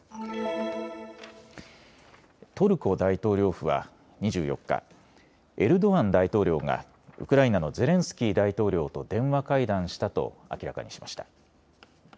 トルコ大統領府は２４日、エルドアン大統領がウクライナのゼレンスキー大統領と電話会談したと明らかにしました。